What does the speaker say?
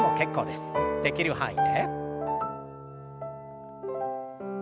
できる範囲で。